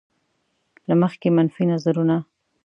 له مخکې منفي نظرونه.